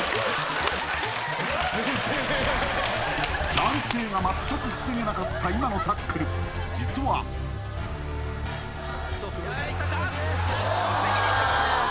男性が全く防げなかった今のタックル実はきた！